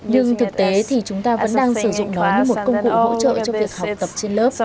nhưng thực tế thì chúng ta vẫn đang sử dụng nó như một công cụ hỗ trợ cho việc học